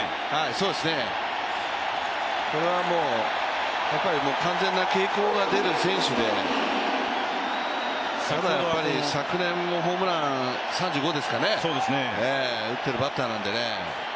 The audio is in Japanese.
そうですね、完全な傾向が出る選手で、昨年もホームラン３５、打っているバッターなんでね。